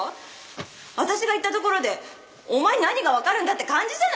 私が言ったところでお前に何がわかるんだって感じじゃない！